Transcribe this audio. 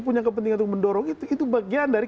punya kepentingan untuk mendorong itu itu bagian dari